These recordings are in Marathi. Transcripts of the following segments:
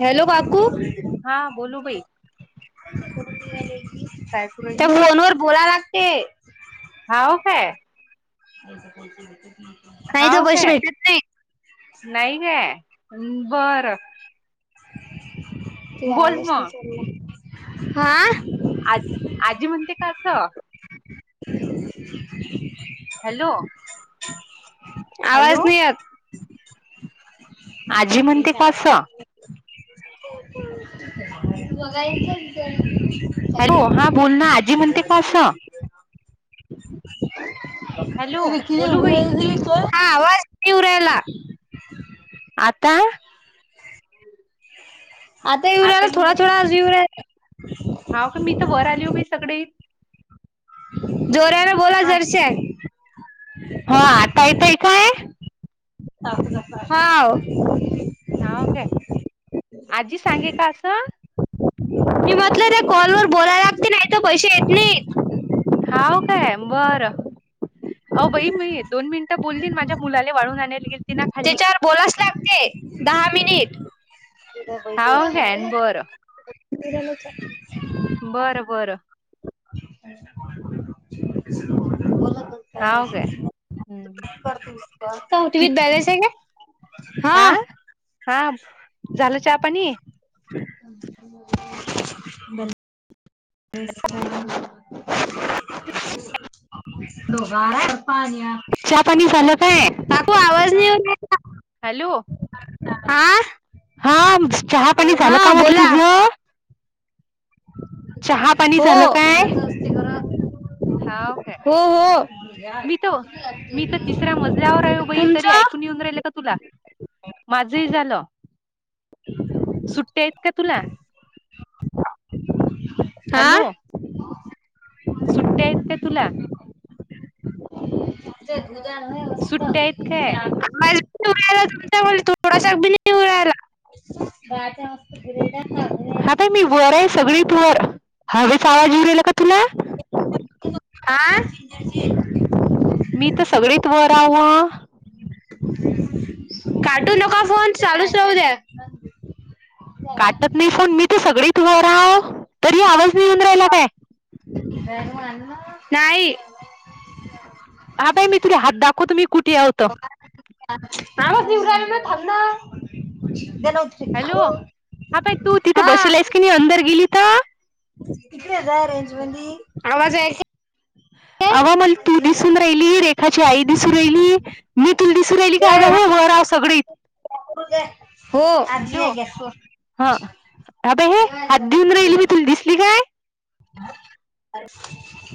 हॅलो बापू हा बोलू बाई काय करू त्या राहिली फोन वर बोला लागते हाव काय? [unintelligible] तर हाव पैसे काय भेटत नाही नाही काय बरं बोल मग आ [unintelligible] आजी म्हणते का असं [unintelligible] हॅलो आवाज हॅलो नाही आत आजी म्हणते का असं [unintelligible] [inaudible] हॅलो हा बोल ना आजी म्हणते का असं? हॅलो बोलू बाई हा आवाज येऊ राहिला. आता आता येऊ राहिला थोडा थोडा आवाज येऊ राहिला हाव का मी तर वर आली हो बा सगडे जोरान बोला जरासं हां आता येतंय काय? हाव. हाव काय आजी सांगे का असं? मी म्हटलं ते कॉल वर बोलायला लागते नाही तर पैसे येत नाही. हाव काय बरं. हो बाई मी दोन मिनिटं बोलली अनं माझ्या मुलाला वाळून आणायला गेली. त्याच्यावर बोलाच लागते दहा मिनिट. [unintelligible] हाव काय बरं किती झालं विचार. बरं बरं. [unintelligible] बोला तुम्ही हाव काय [unintelligible] हम्म तुझ्यात किती बॅलेन्स आहे काय? हां. हां, झालं चहा पाणी? बंद [unintelligible] तर पाणी आण. चहा पाणी झालं काय काकू आवाज नाही येऊन राहिला. आं हां चहा पाणी झालं का म्हटलं बोला तुझ? [unintelligible] हो, काय कुणाचं असते घरात? हाव काय हो हो मी तर मी तर तिसऱ्या मजल्यावर आहे ओ बाई तरी तुमच्या? ऐकून येऊन राहिले का तुला? माझही झालं, सुट्टया आहेत का तुला? हॅलो! हा सुट्टया आहेत का तुला? [unintelligible] माझं [unintelligible] सुट्ट्या आहेत काय तुमचा आवज थोडासा बी नाही येऊ राहिला [unintelligible] ग्रेडा [unintelligible] ताई मी वर आहे सगळीत वर, हवेचा आवाज येऊ राहिला का तुला? हां मी तर सगळेत वर आवा काटू नका फोन चालूच राहू द्या. काटत नाही फोन, मी तर सगळीत वर हाव. तरी आवाज नाही येऊन राहिला काय? नाही. [inaudible] हां ताई मी तुले हात दाखवतो मी कुठे हाव तर आवाज येऊन राहिला ना खालन [inaudible] हां ताई तू तिथं बसलेस की नाही अंदर गेलीत? तिकडे जा रेंज मधी, आवाज आहे का? [unintelligible] अवा मला तू दिसून राहिली, रेखाची आई दिसून राहिली, मी तुला दिसून राहिली का ग वर अस सगळी हो आज्जी हॅलो आल्या हा सोड अबे हे हात देऊन राहिली, मी तुला दिसली काय?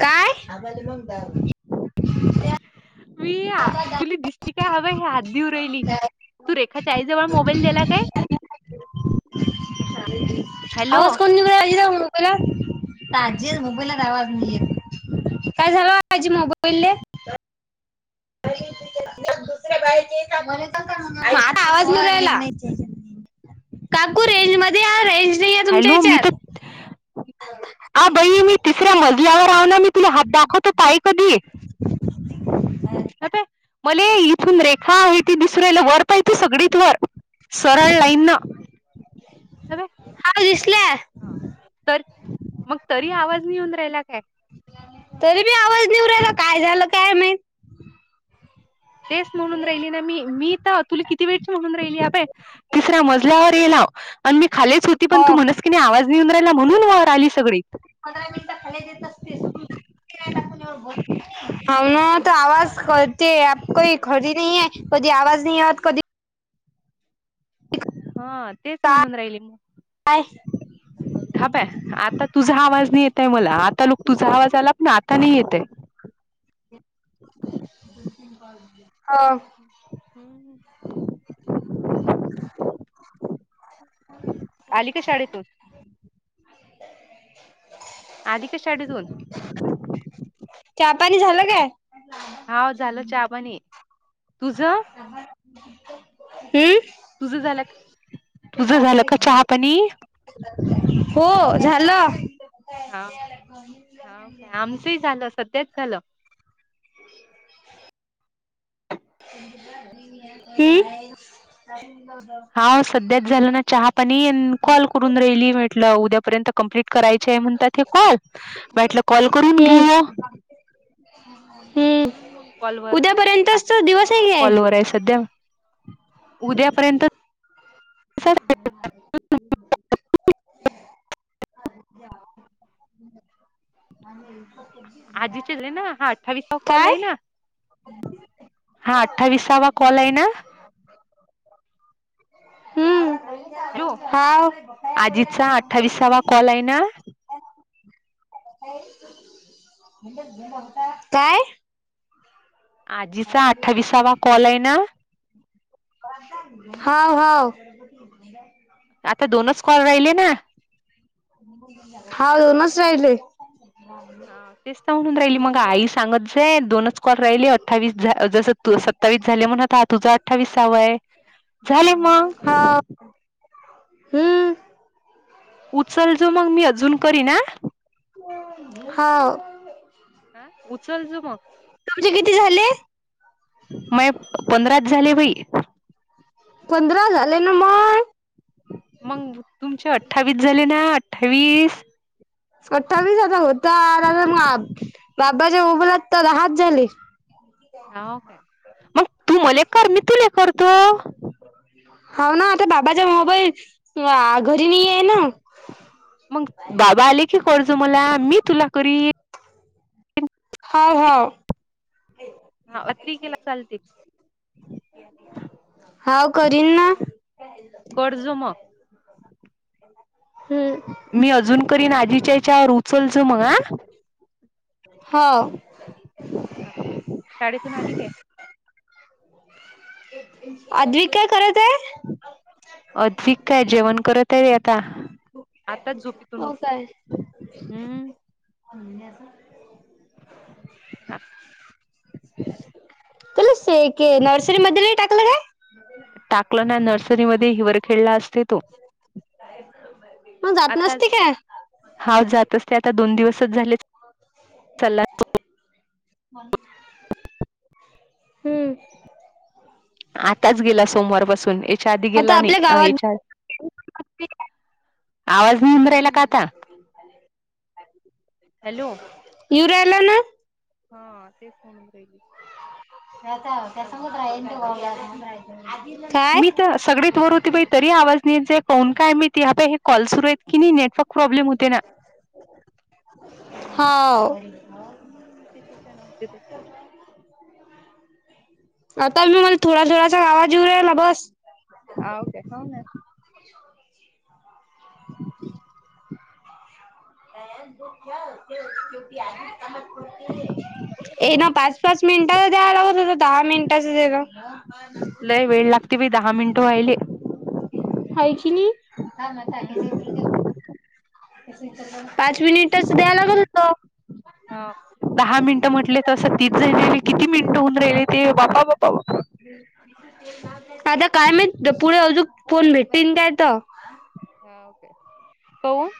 काय? प्रिया, तुली दिसली काय हवं हे हात ऊ राहिली. तू रेखाच्या आईजवळ मोबाईल दिला काय? हॅलो आवाज कोण हॅलो, तास जिल मोबाईलला आवाज नाहीय. काय झालं आजी मोबाईल? [unintelligible] आता आवाज नाही येऊ राहीला. काकू, रेंज मध्ये या रेंज. नाही आहे तुमच्या हॅलो मी याच्यात तत, आ बई मी तिसऱ्या मजल्यावर आव ना मी तुला हात दाखवत ताई कधी? गप ये. मले इथून रेखा आहे ती दिसर रायला वर पाहिती सगळीत वर, सरळ लाईन न. अबे हा दिसलं. हा. तर, मग तरी आवाज येऊन राहिला काय? तरी बी आवाज निव राहिला, काय झालं काय माहीत. तेच म्हणून राहिली ना मी, मी तर तुला किती वेळची म्हणून राहिली अभय, तिसऱ्या मजल्यावर येला. आणि मी खालेच होती, पण तू मनस्कीने आवाज नेऊन राहिला, म्हणून वर आली सगळीत. [inaudible] आवाज करते, अँप कही खडी नाही हे, कधी आवाज नाही यत कधी हा. तेच म्हणून काय राहिले मग, हा पय, आता तुझा आवाज नाही येत? तर मला, आता लुक तुझा आवाज आलात ना, आता नाही येतय. हा. [unintelligible] आली का शाळेतून? [inaudible] आधी का शाडीतुन? चहा, पाणी झालं काय? हा झालं चहापणी, तुझ? हम्म. तुझं झालं का? तुझ झालं का चहा, पणी? हो, झालं. हा, हाव काय, आमचंही झालं सध्याच झालं. हम्. आव, सध्याच झालं नाहीत. चहा पाणी, न कॉल करून राहिली म्हेटलं उद्यापर्यंत कंप्लीट करायचेय म्हणत्यात हे कॉल. माटलं कॉल करून हम्म घेऊया. [inaudible] हम्म म्हणून मग कॉलवर आहे, उद्यापर्यंतच तो दिवस हा आहे काय? कॉलवर आहे सध्या. उद्यापर्यंत [inaudible] [inaudible] आजचे रे ना, हा अठ्ठावीसचा कॉल काय आहे ना? हा अठ्ठावीसावा कॉल आहे ना? हम्म हॅलो. हाव. आजीचा अठ्ठावीसावा कॉल आहे ना? [unintelligible] काय आजीचा अठ्ठावीसावा कॉल आहे ना, [unintelligible] हाव हाव [unintelligible] आता दोनच कॉल राहिले ना, हाव दोनस राहिले. [unintelligible] हा तेच त म्हणून राहिली मग, आई सांगत जाये दोनच कॉल राहिले. अ्ठ्ठावीस झ जसं तू सत्तावीस झाले म्हणत. हा तुझा अठ्ठावीसावा आहे. झाले मग हाव हम्म उचल जो मग मी अजून करीन आ. [inaudible] हाव हा, उचल जो मग तुमचे किती झाले? मये पंधराच झाले बाई. पंधरा झाले ना मग मग तुमचे अठ्ठावीस झाले ना, अठ्ठावीस. सठ्ठावीसाचा होता [unintelligible] माप बाबाच्या मोबाईलातं दहाच झाले. हो, मग तू मले कर, मी तुले करतो. हाऊ न, त बाबा मोबाईल अ घरी नाहीये न, मग बाबा आले की करजो मला. मी तुला करीन. हाव हाव. हा अति केला चालते. हाव करीन ना, करजो मग [unintelligible] हम्म. मी अजून करीन. आजीच्या याच्यावर उचलजो मग आ हो. शाळेतून आली काय? अद्विक काय करत आहे? अद्विक काय जेवण करत आहे आता. आताच झोपीतून हो उठला. हम्म, धुन्याचा [inaudible] तुला से के नर्सरी मध्ये नाही टाकलं काय? [inaudible] टाकलं ना, नर्सरीमधी हिवर खेडलास ते तो मग जात आताच नसते काय? हा, जातोस ते आता दोन दिवसच झालेत. चाला. [inaudible] हम्म, आताच गेला सोमवारपासून याच्या आधी आता गेला नाही. आपल्या गावात याच्या आधी आवाज नाही येऊन राहिला का आता हॅलो, येऊ राहिला न, हा तेच म्हणून राहिली. त्याचा त्यासंग राहेन तो [unintelligible] आदिल ना मी तर सगळेत वर होती बाई तरी आवाज नाही येत जाये. कोन काय माहिती आता हे कॉल सुरू आहेत की नाही नेटवर्क प्रॉब्लेम होते ना हाव. ते तसे नव्हतेतच. आता मी मला थोडा- थोडाचा आवाज येऊ रायला बस. हाव काय? हाव ना. [inaudible] ये ना पाच- पाच मिनटाचा द्या [unintelligible] दहा मिनटाच [unintelligible] [inaudible] लय वेळ लाग ति बी दहा मिनटं व्हायले. हाय किनी. हम्म पाच मिनिटच द्या लागत होत. हो दहा मिनिटं म्हटले तसं तीस झायलेले किती मिनिटं हुंन राहिले ते बापा बाप आता काय माहित द पुढे अजूक फोन भेटतीन काय त. हाव काय, का वून?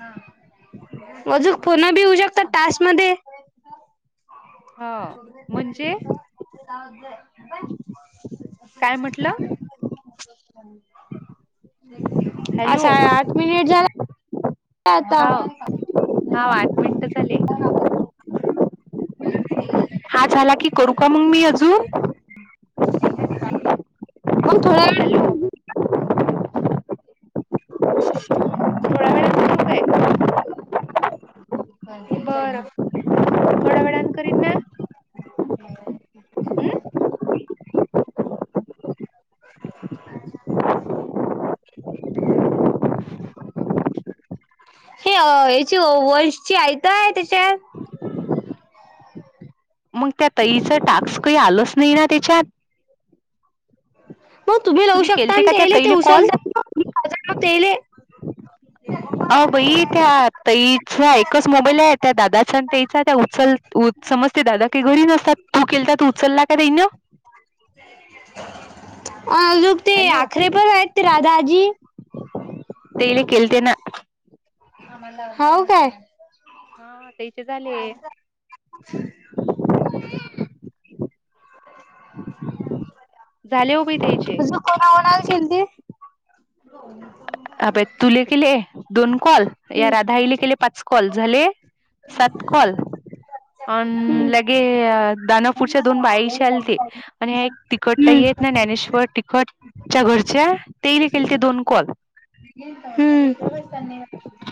हा अजूक फोन भि होऊ शकतात टास्क मध्ये. हा [inaudible] म्हणजे काय म्हटलं हॅलो असा हाय आठ मिनिट झाला आता हाव हाव आठ मिनिटं झाले हा झाला की करू का मंग मी अजून? मग थोड्या हॅलो. [unintelligible] बरं [inaudible] [unintelligible] [inaudible] [inaudible] हे अ यची वर्ड चे आईत आय तेचे. मंग त्या ताईच टाक्स काही आलंच नाही ना तेच्यात. मग तुम्ही लावू शकता केलते अन का त्या तेले ते ताईले कॉल [unintelligible] तेले अ बई त्या तईचा एकच मोबाईल आय, त्या दादाचा आणि तईचा त्या उचल उच समज ते दादा काही घरी नसतात तू केलता तू उचलला का नै न. अजूक ते हॅलो आखरे पर आहेत ते राधाजी. तेले केलते ना. होव काय? हं तई चे झाले. झाले हो बई तईचे. अजू कोणा कोणाल केलती? अब तुले केले दोन कॉल, या राधा हम्म आईले केले पाच कॉल झाले सात काॅल, अन हम्म लगे दानापूरच्या दोन बाईशी आलते आणि ह्या एक तिखट ताई आहेत ना ज्ञानेश्वर तिखट च्या घरच्या तेने केलते दोन कॉल. हम्.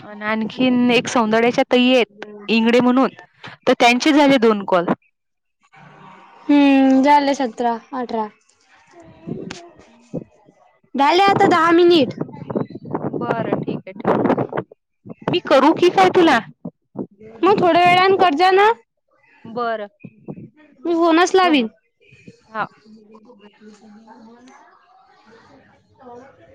आण आणखीन एक सौंदड्याच्या तई आहेत इंगडे म्हणून त त्यांची झाले दोन कॉल. हम्म झाले सतरा, अठरा. [inaudible] झायले आता दहा मिनिट. बरं ठीक आहे ठीक. मी करू की काय तुला? मंग थोड्या वेळान करजन. बरं मी हा होनच ठेव लावीन. मग हा. [inaudible]